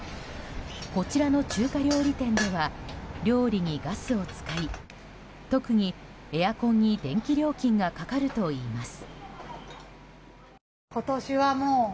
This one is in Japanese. こちらの中華料理店では料理にガスを使い特にエアコンに電気料金がかかるといいます。